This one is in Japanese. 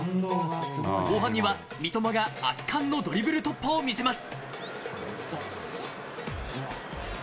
後半には三笘が圧巻のドリブル突破を見せます。